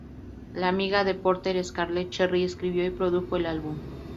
La amiga de Porter Scarlett Cherry escribió y produjo el álbum.